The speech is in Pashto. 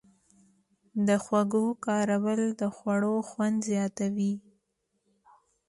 د خوږو کارول د خوړو خوند زیاتوي.